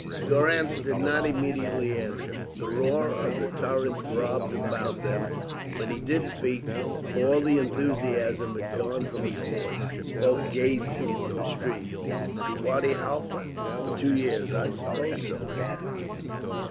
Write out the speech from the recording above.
Durrance did not immediately answer. The roar of the torrent throbbed about them. When he did speak, all the enthusiasm had gone from his voice. He spoke gazing into the stream. "To Wadi Halfa. For two years. I suppose so."